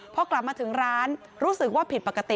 พอกลับมาถึงร้านรู้สึกว่าผิดปกติ